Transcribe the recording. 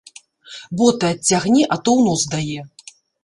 Боты адцягні, а то ў нос дае.